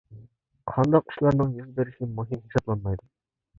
قانداق ئىشلارنىڭ يۈز بېرىشى مۇھىم ھېسابلانمايدۇ.